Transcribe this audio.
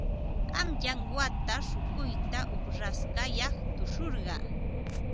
Qanyan wata shukuyta uqrashqayaq tushurqaa.